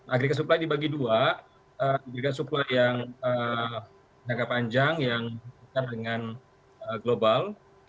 agrega supply dibagi dua agrigai supply yang jangka panjang yang berkaitan dengan global